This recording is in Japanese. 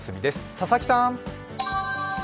佐々木さん。